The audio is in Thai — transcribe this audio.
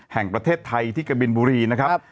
แห่งประเทศไทยที่กบินบุรีนะครับ